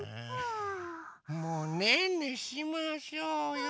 もうねんねしましょうよ。